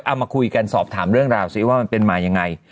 เอามาคุยกันสอบถามเรื่องราวซิว่ามันเป็นมายังไง